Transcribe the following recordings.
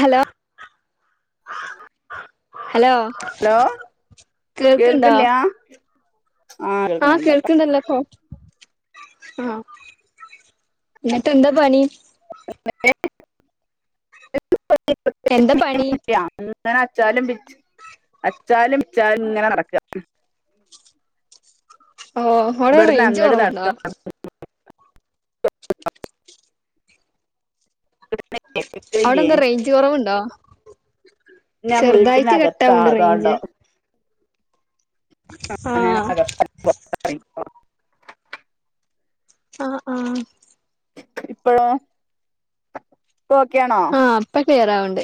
Hello hello hello കേൾക്ക്ണ്ടോ? കേൾക്കണില്ല്യാ ആഹ് കേൾക്കുണ്ടല്ലോ ഇപ്പൊ. ആഹ് എന്നിട്ട് എന്താ പണി. [inaudible] എന്താ പണി ഇങ്ങനെ അച്ചാലും പിച്ചും അച്ചാലും വിച്ചാലും ഇങ്ങനെ നടക്കാ. ഓഹ് അവിടെ ഇവിടുന്ന് റേഞ്ച് അങ്ങട് കുറവുണ്ടോ? നടക്കുക അവിടെ കേൾക്കണില്ലേ എന്താ റേഞ്ച് കുറവുണ്ടോ? ഞാൻ ചെറുതായിട്ട് കട്ട്‌ വീട്ടിനകത്താ ആവുണ്ട് അതാണ്ടോ റേഞ്ച്‌. ഞാൻ ആഹ് അകത്താ ആഹ് ആഹ് ഇപ്പഴോ, ഇപ്പം ഓക്കേ ആണോ? ആഹ് ഇപ്പൊ ക്ലിയർ ആവുണ്ട്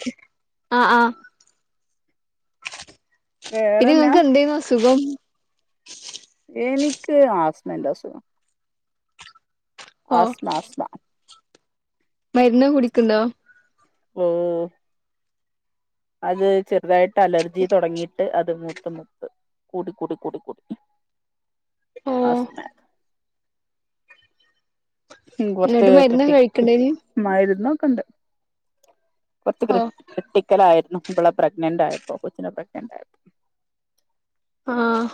ആഹ് ആഹ്. പിന്നെ വേറെന്നാ നിങ്ങൾക്ക് എന്ത് ആയിരുന്നു അസുഖം. എനിക്ക് ആസ്മന്റെ അസുഖം. ഓ ആസ്മ ആസ്മ. മരുന്ന് കുടിക്കുണ്ടോ? ഓഹ് അത് ചെറുതായിട്ട് അലർജി തുടങ്ങി. ട്ട് അത് മുത്ത് മുത്ത് കൂടി കൂടി കൂടി കൂടി ഓ ആസ്മ. ഉം കൊറച്ച് എന്നിട്ട് മരുന്ന് ക്രിട്ടിക്ക്. കഴിക്ക്ണ്ടേനി മരുന്ന് ഒക്കെയുണ്ട് കൊറച്ച് ഓ ക്രി ക്രിട്ടിക്കൽ ആയിരുന്നു ഇവളെ പ്രെഗ്നന്റ് ആയപ്പോ കൊച്ചിനെ പ്രെഗ്നന്റ് ആയപ്പോ. ആഹ്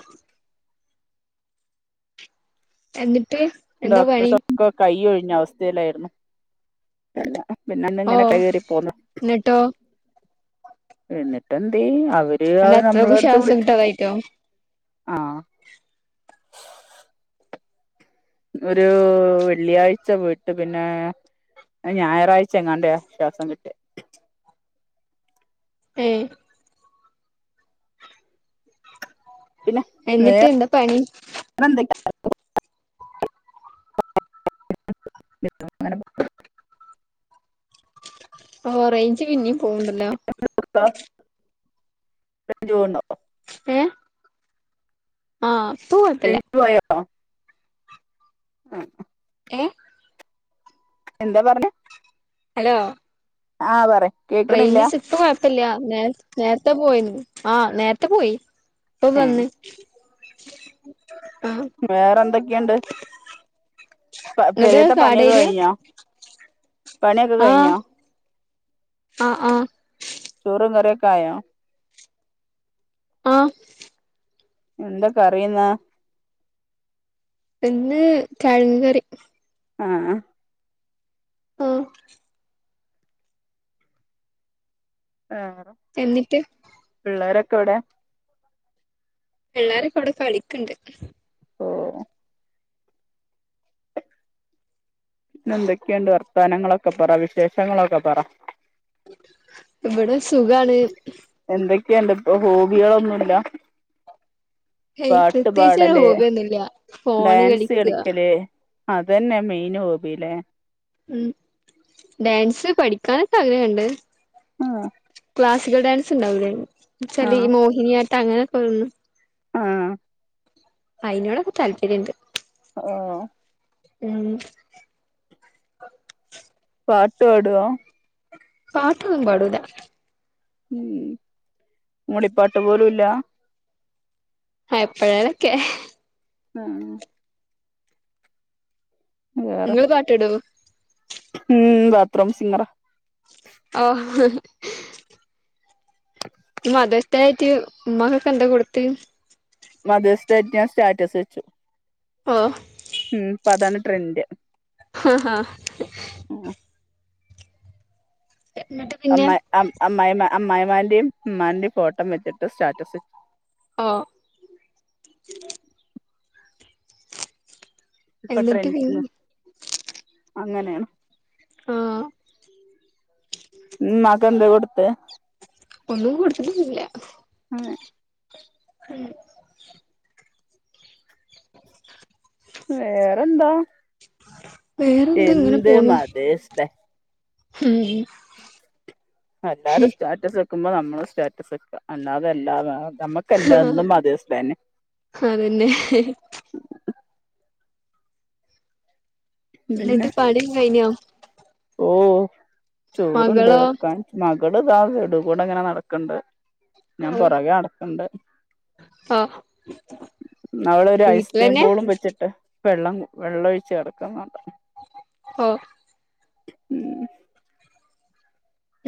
എന്നിട്ട്. എന്താ പണി ഡോക്ടർസ് ഒക്കെ കൈ ഒഴിഞ്ഞു അവസ്ഥയിലായിരുന്നു. അല്ല പിന്നെ അന്ന് ഓ ഇങ്ങനെ കൈമാറി പോന്ന്. എന്നിട്ടോ എന്നിട്ടെന്ത് അവര് അത് എന്താ നമ്മളെ അത്രക്കും അടുത്ത് ശ്വാസം വിളിച്ച് കിട്ടാതായിട്ടോ ആഹ്. ഒരു വെള്ളിയാഴ്ച പോയിട്ട് പിന്നെ. അങ്ങ് ഞായറാഴ്ച എങ്ങാണ്ട് ശ്വാസം കിട്ടി. ഏഹ് പിന്നെ എന്നിട്ട് വേറെ എന്താ പണി എന്തൊക്കെയാ? [inaudible] ഓഹ് റേഞ്ച് പിന്നെയും പോവുണ്ടല്ലോ. [unintelligible] ഇപ്പൊ റേഞ്ച് പോവുണ്ടോ? ഏഹ് കൊഴപ്പല്ല റേഞ്ച്‌ പോയോ? ആഹ് ഏഹ് എന്താ പറഞ്ഞ്. ഹലോ ആഹ് പറ കേക്കണില്ല റേഞ്ച് ഇപ്പൊ കുഴപ്പമില്ല നേ നേരത്തെ പോയിരുന്നു ആഹ് നേരത്തെ പോയി. ഇപ്പോ ഏഹ് വന്നു. വേറെ എന്തൊക്കെയുണ്ട്. ഇങ്ങട്ട് പെരേത്ത് പണിയൊക്കെ കാടേരിയ കഴിഞ്ഞോ? പണിയൊക്കെ ആഹ് കഴിഞ്ഞോ, ആഹ് ആഹ് ചോറും കറിയൊക്കെ ആയോ? ആഹ് എന്താ കറി ഇന്ന് ഇന്ന് കിഴങ്ങ് കറി ആഹ് ആഹ് ആഹ് എന്നിട്ട് പിള്ളേരൊക്കെവിടെ പിള്ളാരക്കെ അവിടെ കളിക്കണ്ട് ഓ പിന്നെ എന്തൊക്കെയുണ്ട് വർത്താനങ്ങളൊക്കെ പറ വിശേഷങ്ങളൊക്കെ പറ ഇവിടെ സുഖാണ് എന്തൊക്കെ ഉണ്ട് ഇപ്പൊ ഹോബികളൊന്നും ഇല്ല ഏയ് പാട്ട് പ്രത്യേകിച്ച് ഒരു പാടല് ഹോബിയൊന്നുല്ല ഫോണ് ഡാൻസ് കളിക്ക കളിക്കല് അതന്നെ മെയിൻ ഹോബില്ലേ ഉം ഡാൻസ് പഠിക്കാനൊക്കെ ആഗ്രഹം ഉണ്ട് ആഹ് ക്ലാസിക്കൽ ഡാൻസ്ണ്ടാവില്ലന്ന് എന്ന് വച്ചാ ഈ ആഹ് മോഹിനിയാട്ട അങ്ങനൊക്കെ ഒന്ന് ആഹ് അയിനോടൊക്കെ താല്പര്യം ഉണ്ട് ഓ ഉം [inaudible] പാട്ട് പാടുമോ പാട്ടൊന്നും പാടൂല ഉം മൂളിപ്പാട്ട് പോലും ഇല്ല എപ്പഴേലൊക്കെ ആഹ് വേറെ നിങ്ങള് പാട്ട് പാടുവോ ഉം ബാത്റൂം സിംഗറാ [unintelligible] ഇന്ന് മദേഴ്സ് ഡേ ആയിട്ട് ഉമ്മാക്കൊക്കെ എന്തോ കൊടുത്ത് മദേഴ്സ് ഡേറ്റ് ഞാൻ സ്റ്റാറ്റസ് വെച്ചു ഓ ഉം ഇപ്പൊ അതാണ് ട്രെന്റ് [unintelligible] ഉം എന്നിട്ട് പിന്നെ [unintelligible] അമ്മായിമാന്റെയും ഉമ്മാന്റെയും ഫോട്ടോം വെച്ചിട്ട് സ്റ്റാറ്റസ് ഓ ഇപ്പൊ എന്നിട്ട് പിന്നെ ട്രെൻഡിങ് അങ്ങനെയാണ് ആഹ് ഇമ്മാക്ക് എന്ത് കൊടുത്ത് ഒന്നും കൊടത്തിട്ടൊന്നുല്ല അങ്ങനെ ഉം [inaudible] വേറെന്താ വേറെന്ത്‌ ഇങ്ങനെ എന്ത് പോണു മദേഴ്സ് ഡേ മം എല്ലാരും സ്റ്റാറ്റസ് വെക്കുമ്പോ നമ്മളും സ്റ്റാറ്റസ് വെക്ക അല്ലാതെ എല്ലാ നമ്മക്ക എല്ലാം ഒന്നും മതേർസ് ഡേ തന്നെ അതന്നെ എന്നിട്ട് പണിം കഴിഞ്ഞോ ഓഹ് ചോറ്ണ്ട് മകളോ വെക്കാൻ മകള്താ ഇതികൂടെ ഇങ്ങനെ നടക്ണ്ട് ഞാൻ ഓ പുറകെ നടക്ണ്ട് ഓ അവളൊരു ഐസ്ക്രീം വീട്ടിലന്നെ ബോളും വെച്ചിട്ട് വെള്ളം വെള്ളം ഒഴിച്ച് നടക്കുന്നുണ്ട് ഓഹ് ഉം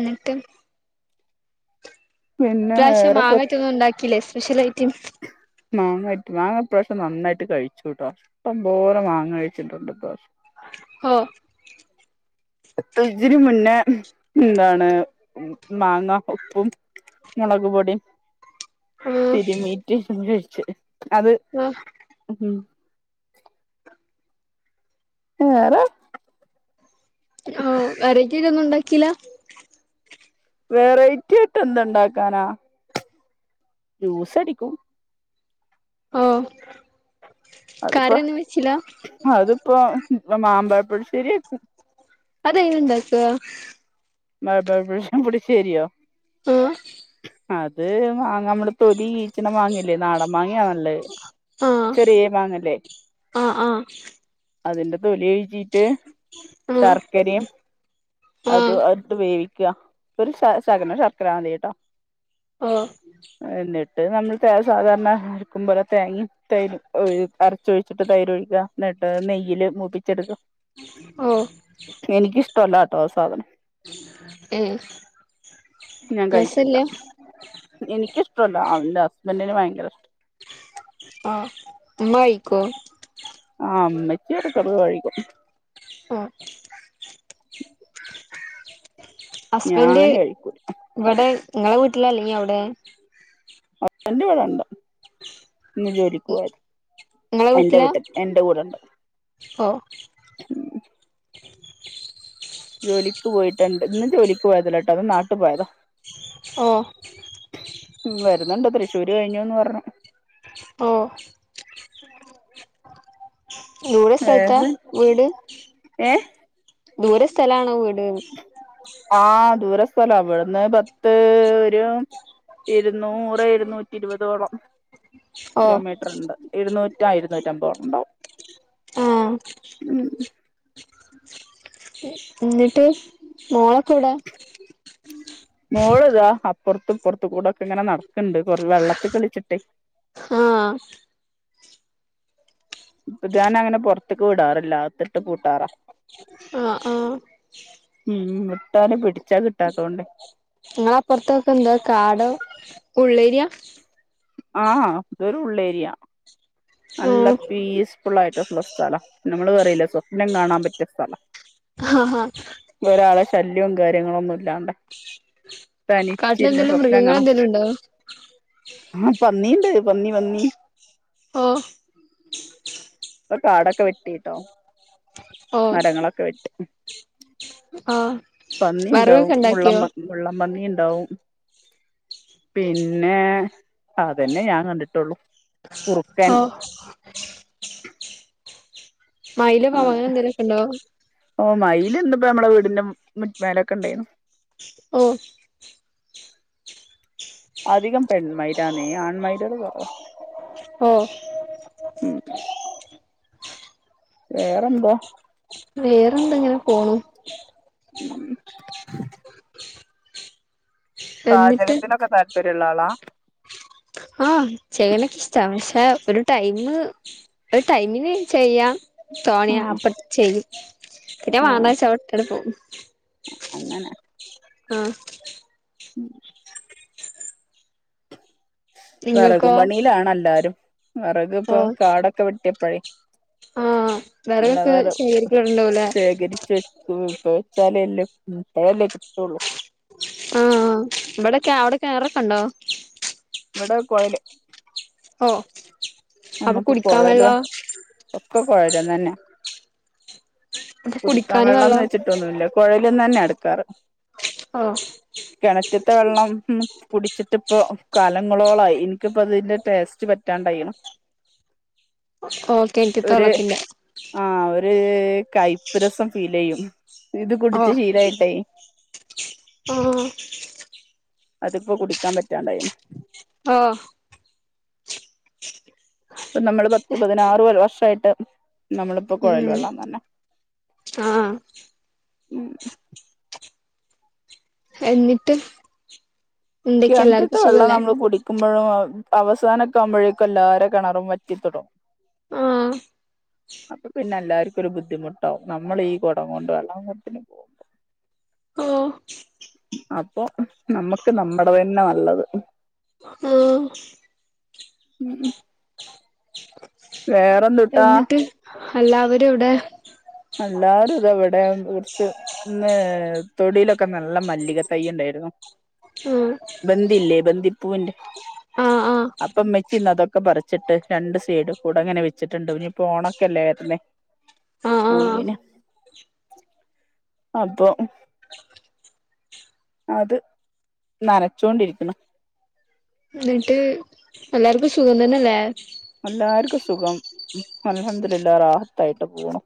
എന്നിട്ട് പിന്നെ ഇപ്രാവശ്യം വേറെപ്പ മാങ്ങട്ട് ഒന്നും ഉണ്ടാക്കില്ലേ സ്പെഷ്യൽ ഐറ്റംസ് മാങ്ങായിട്ട് മാങ്ങ ഇപ്രാവശം നന്നായിട്ട് കഴിച്ചുട്ടോ അപ്പം പോരെ മാങ്ങ കഴിച്ചിട്ടുണ്ട് ഇപ്രാവശ്യം ഓഹ് ഇതിന് മുന്നേ എന്താണ് മാങ്ങ ഉപ്പും മുളക് പൊടിയും ആഹ് തിരുമീട്ട് കഴിച്ച് അത് ആഹ് ഉം വേറെ ആഹ് വെറൈറ്റിത് ഒന്നും ഉണ്ടാക്കില്ല വെറൈറ്റി ആയിട്ട് എന്ത്‌ ഉണ്ടാക്കാനാ ജൂസടിക്കും ആഹ് അതിപ്പോ അതിപ്പോ മാമ്പഴ പുളിശ്ശേരിവെക്കും അതെ എങ്ങനെ ഉണ്ടാക്ക? ബ ബ പുളിശ്ശേരിയോ ആഹ് അത് മാങ്ങാ നമ്മള് തൊലി കീച്ചണ മാങ്ങല്ലേ നാടൻ മാങ്ങയ നല്ലത് ചെറിയെ മാങ്ങല്ലേ ആഹ് ആഹ് അതിന്റെ തൊലി ഒഴിച്ചിട്ട് ആഹ് ആഹ് ശർക്കരയും അത് അത് അത് വേവിക്ക ഒരു ശക ശകലം ശർക്കര മതിട്ടോ ആഹ് എന്നിട്ട് നമ്മൾ തേ സാധാരണ അക്കും പോലെ തേങ്ങയും തൈര് ഒര് അരച്ചൊഴിച്ചിട്ട് തൈര് ഒഴിക്കാം എന്നട്ട് നെയ്യല് മൂപ്പിച്ചെടുക്കും ഓഹ് എനിക്കിഷ്ട്ടല്ലട്ടോ ആ സാധനം. ഉം ഞാൻ കഴിക്കൂല. എനിക്കിഷ്ടല്ല എന്റെ ഹസ്ബൻഡന് ഭയങ്കര ഇഷ്ട. ആഹ് ഉമ്മ കഴിക്കോ? ആഹ് ഉമ്മച്ചി ഇടക്ക് ഇടക്ക് കഴിക്കും. ആഹ് ഹസ്ബൻഡ് ഞാന് കഴിക്കൂല ഇവിടെ ഇങ്ങളെ വീട്ടിലല്ലെങ്കി അവടെ ഹസ്ബൻഡ് ഇവിടെ ഇണ്ട്. ഇന്ന് ജോലികോയി നിങ്ങളെ എന്റെ വീട്ടിലാ വീട്ട്ട് എന്റെ കൂടെ ഇണ്ട് ഓ ജോലിക്ക് പോയിട്ട്ണ്ട് ഇന്ന് ജോലിക്ക് പോയതഅല്ല ട്ടോ ഇന്ന് നാട്ട് പോയത. ഓ ഉം വരുന്നുണ്ട് തൃശ്ശൂര് കഴിഞ്ഞുന്ന് പറഞ്ഞു. ഓഹ് ദൂരെ സ്ഥലത്ത വേറെ വീട്? ഏ ദൂരെ സ്ഥല ആണോ വീട്? ആഹ് ദൂര സ്തല ഇവിട്ന്ന് പത്ത് ഒരു ഇരുന്നൂറ് ഇരുന്നൂറ്റി ഇരുപതോളം ഓ കിലോമീറ്റർ ഇണ്ട്. ഇരുന്നൂറ്റാ ആ ഇരുന്നൂറ്റമ്പത് ഒകെ ഇണ്ടാവും. ആഹ് ന്നിട്ട് മോളൊക്കവടെ മോള് ഇതാ അപ്പുറത്തുംപ്പുറത്തൊക്കെ കൂടെക്കെ ഇങ്ങനെ നടക്കണ്ട് കുറ വെള്ളത്തിൽ കളിച്ചിട്ടേ. ആഹ് വ്ഗാനങ്ങനെ അങ്ങനെ പൊറത്ത്ക്ക് വിടാറില്ല അകത്തിട്ട് പൂട്ടാറാ. ആ ആഹ് ഉം വിട്ടാലും പിടിച്ചാ കിട്ടാത്തോണ്ടെ ഇങ്ങള അപ്പറത്തൊക്കെ എന്താ കാട ഉള്ളേരിയാ? ആഹ് വേറൊരുഉള്ളേരിയ. നല്ല ഉം പീസ്ഫുൾ ആയിട്ടുള്ള സ്ഥലം നമ്മള് പറിയില്ലേ സ്വപ്നം കാണാൻ പറ്റിയ സ്ഥലം. ആഹ ഹാ ഒരാളെ ശല്യവും കാര്യങ്ങളൊന്നും ഇല്ലാണ്ടെ. തനിച്ചിരുന്ന് കാട്ടിലെന്തേലും സ്വപ്നം കാണ മൃഗങ്ങളെന്തേലും ഉണ്ടോ ആ പന്നിണ്ട് പന്നി പന്നി ഓഹ് [inaudible] ഇപ്പൊ കാടൊക്കെ വെട്ടിട്ടോ ഓഹ് മരങ്ങളൊക്കെ വെട്ടി. ആഹ് പന്നി ഇണ്ടാവും വറവൊക്കെ മുള്ള ഉണ്ടാക്കിയോ മുള്ളം പന്നി ഇണ്ടാവും. പിന്നെ അതന്നെ ഞാൻ കണ്ടിട്ടൊള്ളു. ഓഹ് മയില പ [unintelligible] അങ്ങനെ എന്തെലുമൊക്കെ ഉണ്ടോ? ഓ മയില്ണ്ട് ഇന്നിപ്പ നമ്മടെ വീടിന്റെ മു മേലൊക്കെ ഇണ്ടായിന്നു. ഓഹ് അധികം പെൺമയിലാണെ ആൺമൈലൊക്കെ കൊറവാ ഓ ഉം വേറെന്താ? വേറെന്തെങ്ങനെ പോണു. [inaudible] എന്നിട്ട് പാചകത്തിനൊക്കെ താല്പര്യം ള്ള ആളാ. ആഹ് ചെയ്യണൊക്കെ ഇഷ്ട പക്ഷെ ഒരു ടൈംമ്. ഒരു ടൈമിന് ചെയ്യാം. തോണിയ അപ്പ ചെയ്യും പിന്നെ ആ വണ്ടാച്ച്ട്ട് പോവും. അങ്ങനെ ആഹ് ഉം വെറകും നിങ്ങൾക്കോ പണിയിലാണ് എല്ലാരും വെറകും ഓ ഇപ്പൊ കാടൊക്കെ വെട്ടിയപ്പോഴേ ആഹ് നല്ല വിറകൊക്കെ വെറക് ശേഖരിക്കാറുണ്ടാവൂലേ ശേഖരിച്ചു വെ വെച്ചാലയല്ലേ ഇപ്പഴല്ലേകിട്ടള്ളൂ. ആഹ ഇവിടെക്കെ അവിടെക്കെ കെണറൊക്കെ ഉണ്ടോ? ഇവിടെ കുഴല് ഓ അപ്പൊ നമ്മുക്ക് കുടിക്കാൻ കുഴലോ വെള്ളോ ഒക്കെ കുഴല് തന്നാ. അപ്പൊ കുടിക്കാൻ കുടിക്കാന് വെള്ളംന്ന് വെള്ളോ വെച്ചിട്ടൊന്നുമില്ല. കുഴലിന് തന്നെ എടുക്കാറ്. ഓ കിണറ്റ്ത്തെ വെള്ളം ഉ കുടിച്ചിട്ടിപ്പോ കാലങ്ങളോളായി എനിക്കിപ്പോ അതിന്റെ ടേസ്റ്റ് പറ്റാണ്ടായിണ്. ഓക്കെ ഒരു [unintelligible] ആ ഒര് കയ്പ് രസം ഫീല്ചെയ്യും ഇത് ഓ കുടിച്ച് ശീലമായിട്ടേ. ആഹ്. അതിപ്പോ കുടിക്കാൻ പറ്റാണ്ടായിക്കണ്. ഓ [inaudible] ഇപ്പ നമ്മള് പത്ത് പതിനാറ് വർഷമായിട്ട് നമ്മളിപ്പോ കുഴൽ ഉം വെള്ളം തന്നെ ആഹ് ഉം എന്നിട്ട് എന്തൊക്കെ കെണറ്റ്ത്തെ എല്ലാർക്കും വെള്ളം സുഖല്ലേ നമ്മള് കുടിക്ക ക്കുമ്പോഴും അവസാനൊക്ക ആകുമ്പോഴേക്കും എല്ലാരും കിണറും. [unintelligible] ആഹ് അപ്പൊ പിന്ന എല്ലാരും ഒരു ബുദ്ധിമുട്ടാവും. നമ്മൾ ഈ കുടം കൊണ്ട് വെള്ളംത്തിന് പോകും. ഓ അപ്പൊ നമ്മക്ക് നമ്മടെ തന്നെ നല്ലത്. ഉം ഉം വേറെന്തുട്ടാ എന്നിട്ട് എല്ലാവരും എവിടെ? എല്ലാവരും ഇതാ ഇവിടെ കുറച്ച് ഇന്ന് തൊടിയിലൊക്കെ നല്ല മല്ലിക തൈ ഉണ്ടായിരുന്നു. ആഹ് ബന്ധിയില്ലേ ബന്ധിപ്പൂവിന്റെ ആഹ് ആഹ് അപ്പൊ ഇമ്മച്ചി ഇന്ന് അതൊക്കെ പറിച്ച്. വച്ചിട്ട് രണ്ട് സൈഡ് കൂടെ ഇങ്ങനെ വെച്ചിട്ടുണ്ട് ഇനിയിപ്പോ ഓണക്കെല്ലേ വരുന്നെ. ആഹ് ആഹ് പൂവിന് അപ്പൊ അത് നനച്ചൊണ്ടിരിക്കണ്. എന്നിട്ട് എല്ലാർക്കും സുഖം തന്നെയല്ലേ? എല്ലാർക്കും സുഖം. അൽഹംദുലില്ലാ റാഹത്തായിട്ട് പോണു.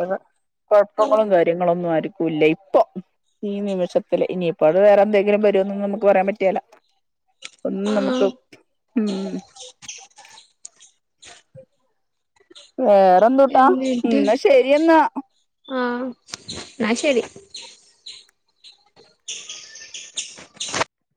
[unintelligible] കുഴപ്പങ്ങളും കാര്യങ്ങളൊന്നും ആര്ക്കും ഇല്ല ഇപ്പൊ. ഈ നിമിഷത്തില്. ഇനിയിപ്പോഴ് വേറെ എന്തെങ്കിലും വരോന്ന് നമുക്ക് പറയാൻ പറ്റുകേലാ. ഒന്നും ആഹ് നമുക്ക്, ഉം വേറെ എന്തുട്ടാ എന്ന ശരിയെന്നാ. ആ എന്നാ ശരി.